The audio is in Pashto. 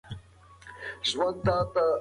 او په عزت معامله نه کېږي.